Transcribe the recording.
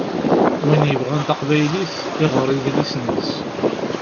Win yebɣan taqbaylit, iɣeṛ idlisen-is.